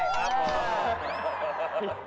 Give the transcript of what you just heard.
ครับ